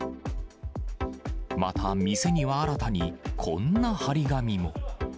また、店には新たにこんな貼り紙も。